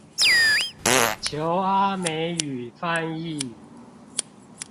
求阿美語翻譯